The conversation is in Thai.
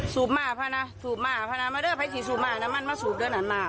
สูบมาภานะสูบมาภานะมาเริ่มให้สูบมาน้ำมันมาสูบด้วยนะมา